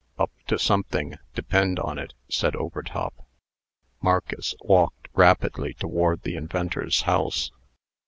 "Up to something, depend on it," said Overtop. Marcus walked rapidly toward the inventor's house.